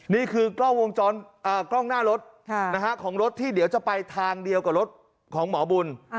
นี่คือกล้องหน้ารถของรถที่เดี๋ยวจะไปทางเดียวกับรถของหมอบุญ